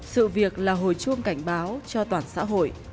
sự việc là hồi chuông cảnh báo cho toàn xã hội